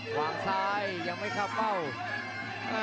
วางซ้ายยังไม่เข้าเฝ้า